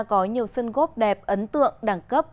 có nhiều sân gốc đẹp ấn tượng đẳng cấp